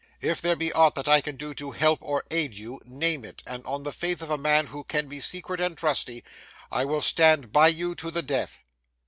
If there be aught that I can do to help or aid you, name it, and on the faith of a man who can be secret and trusty, I will stand by you to the death.